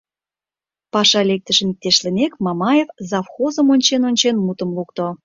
Паша лектышым иктешлымек, Мамаев, завхозым ончен-ончен, мутым лукто.